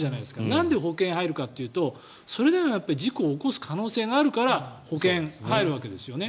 なんで保険に入るかというとそれでも事故を起こす可能性があるから保険に入るわけですよね。